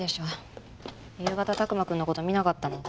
夕方拓磨くんの事見なかったの？